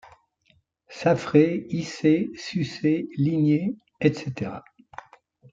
Saffré, Issé, Sucé, Ligné, etc.